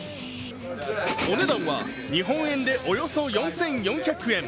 お値段は、日本円でおよそ４４００円。